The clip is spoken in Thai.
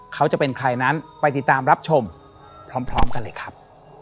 เขาจะเป็นใครนั้นไปติดตามรับชมพร้อมกันเลยครับ